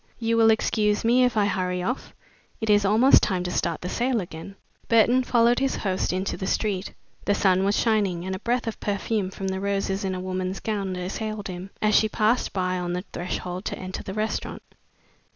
You will excuse me if I hurry off? It is almost time to start the sale again." Burton followed his host into the street. The sun was shining, and a breath of perfume from the roses in a woman's gown assailed him, as she passed by on the threshold to enter the restaurant.